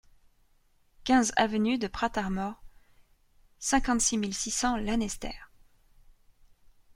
quinze avenue de Prat Ar Mor, cinquante-six mille six cents Lanester